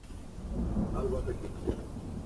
که ټوټه وي نو برس نه چټلیږي.